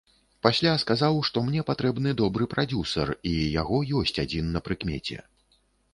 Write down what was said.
Пасля сказаў, што мне патрэбны добры прадзюсар і яго ёсць адзін на прыкмеце.